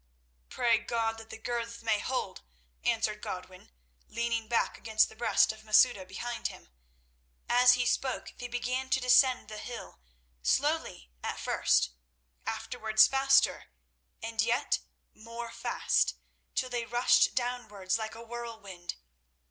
"Pray God that the girths may hold," answered Godwin, leaning back against the breast of Masouda behind him. As he spoke they began to descend the hill, slowly at first, afterwards faster and yet more fast, till they rushed downwards like a whirlwind.